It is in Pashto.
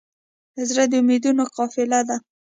زړه د امیدونو قافله ده.